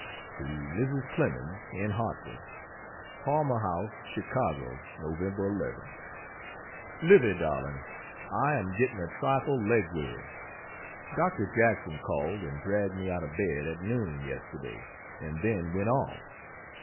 To Mrs. Clemens, in Hartford: PALMER HOUSE, CHICAGO, Nov. 11. Livy darling, I am getting a trifle leg weary. Dr. Jackson called and dragged me out of bed at noon, yesterday, and then went off.